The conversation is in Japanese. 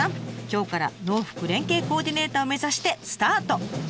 今日から農福連携コーディネーターを目指してスタート！